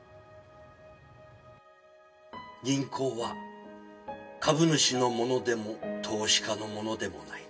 「銀行は株主のものでも投資家のものでもない」